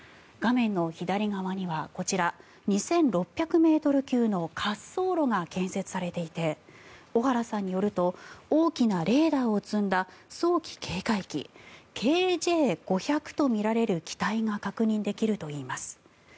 画面の左側にはこちら２６００級の滑走路が建設されていて小原さんによると大きなレーダーを積んだ早期警戒機ＫＪ５００とみられる機体が確認できるといいます。